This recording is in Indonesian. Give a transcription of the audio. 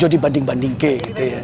jadi dibanding bandingin gitu ya